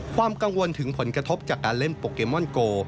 ความกังวลถึงผลกระทบจากการเล่นโปเกมอนโก